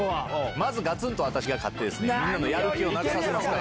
まずガツンと私が勝ってみんなのやる気をなくさせます。